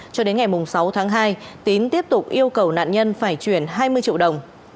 cho đến ngày sáu tháng hai tín tiếp tục yêu cầu nạn nhân phải chuyển hai mươi triệu đồng